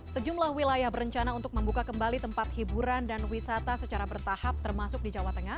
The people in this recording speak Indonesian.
sejumlah wilayah berencana untuk membuka kembali tempat hiburan dan wisata secara bertahap termasuk di jawa tengah